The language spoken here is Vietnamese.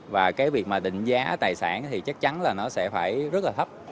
và cái việc mà định giá tài sản thì chắc chắn là nó sẽ phải rất là thấp